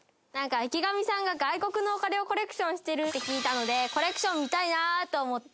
池上さんが外国のお金をコレクションしてるって聞いたのでコレクションを見たいなと思って。